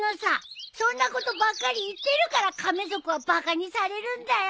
そんなことばっかり言ってるから亀族はバカにされるんだよ。